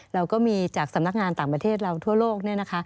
เราก็มีจากสำนักงานต่างประเทศเราทั่วโลก